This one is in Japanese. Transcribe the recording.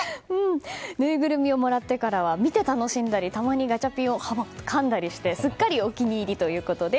ぬいぐるみをもらってからは見て楽しんだりたまにガチャピンをかんだりしてすっかりお気に入りということです。